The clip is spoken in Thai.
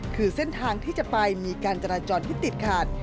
คือเส้นทางที่จะไปมีการจราจรที่ติดขาด